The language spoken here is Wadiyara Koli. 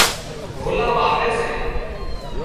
ڍولا واوي سي